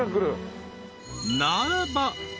［ならば］